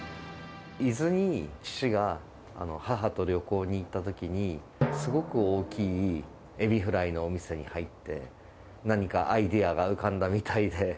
伊豆に父が母と旅行に行ったときに、すごく大きいエビフライのお店に入って、何かアイデアが浮かんだみたいで。